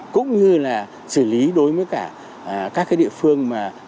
cũng như xử lý đối với các địa phương vẫn còn để tình trạng đốt pháo tràn an